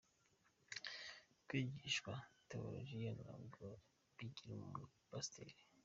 Kwigishwa tewolojiya ntabwo bigira umuntu pasiteri.